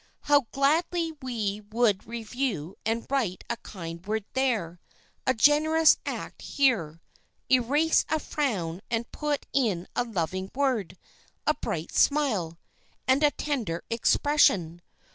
How gladly we would review and write a kind word there, a generous act here, erase a frown and put in a loving word, a bright smile, and a tender expression.